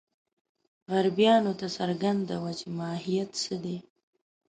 غربیانو ته څرګنده وه چې ماهیت څه دی.